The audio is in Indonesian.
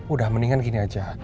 udah mendingan gini aja